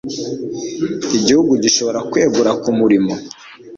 igihugu gishobora kwegura kumirimo